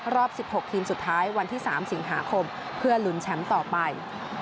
รอบ๑๖ทีมสุดท้ายวันที่๓สิงหาคมเพื่อลุ้นแชมป์ต่อไป